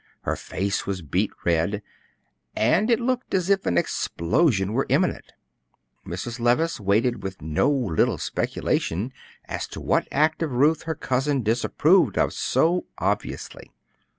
Her face was beet red, and it looked as if an explosion were imminent. Mrs. Levice waited with no little speculation as to what act of Ruth her cousin disapproved of so obviously.